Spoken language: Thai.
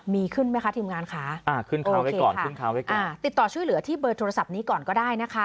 มีขึ้นไหมคะทีมงานค่ะอ่าขึ้นเขาไว้ก่อนขึ้นเขาไว้ก่อนติดต่อช่วยเหลือที่เบอร์โทรศัพท์นี้ก่อนก็ได้นะคะ